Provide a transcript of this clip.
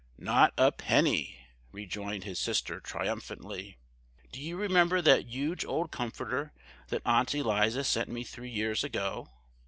"Not a penny!" rejoined his sister, triumphantly. "Do you remember that huge old comforter that Aunt Eliza sent me three years ago?